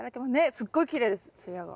すっごいきれいです艶が。